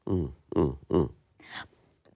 อืมอืมอืม